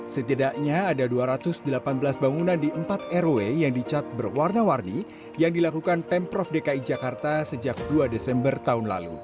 setidaknya ada dua ratus delapan belas bangunan di empat rw yang dicat berwarna warni yang dilakukan pemprov dki jakarta sejak dua desember tahun lalu